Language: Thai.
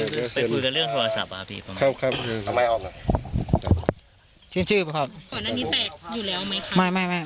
ไม่มีไม่มีไม่มีไม่มีไม่มีไม่มีไม่มีไม่มีไม่มีไม่มี